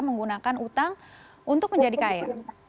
menggunakan utang untuk menjadi kaya